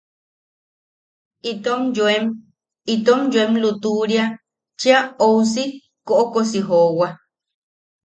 Itom yoem... itom yoem lutuʼuria cheʼa ousi koʼokosi joowa.